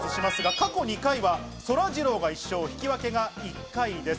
過去２回はそらジローが１勝、引き分けが１回です。